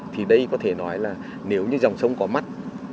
thì đây có thể nói là nếu như dòng sông có mắt